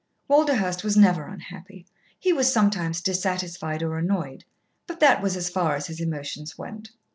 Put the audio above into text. Walderhurst was never unhappy. He was sometimes dissatisfied or annoyed, but that was as far as his emotions went.